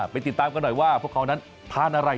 ไปติดตามกันหน่อยว่าพวกเขานั้นทานอะไร